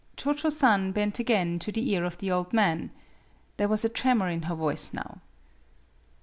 Cho Cho San bent again to the ear of the old man. There was a tremor in her voice now.